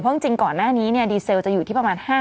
เพราะจริงก่อนหน้านี้เนี่ยดีเซลจะอยู่ที่ประมาณ๕๙๙ค่ะ